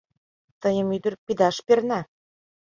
— Тыйым ӱдыр, пидаш перна!